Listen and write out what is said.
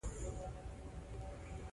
موږ اکثره وخت واسکټونه دوى ته استول.